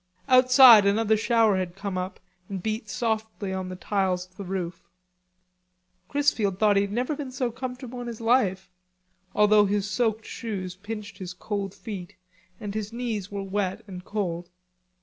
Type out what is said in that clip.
Outside, another shower had come up and beat softly on the tiles of the roof. Chrisfield thought he had never been so comfortable in his life, although his soaked shoes pinched his cold feet and his knees were wet and cold.